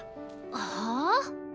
はあ？